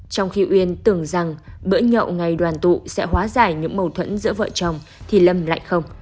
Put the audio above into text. trong khi uyên tưởng rằng bữa nhậu ngày đoàn tụ sẽ hóa giải những mâu thuẫn giữa vợ chồng thì lâm lại không